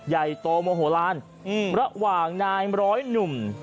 ใหญ่โตโมโหลานระหว่างนายร้อยหนุ่ม